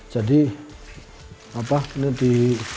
jadi apa ini di